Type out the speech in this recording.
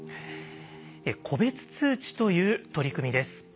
個別通知という取り組みです。